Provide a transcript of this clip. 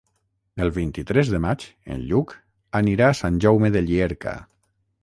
El vint-i-tres de maig en Lluc anirà a Sant Jaume de Llierca.